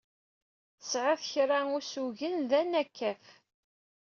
Tesɛiḍ kra usugen d anakkaf.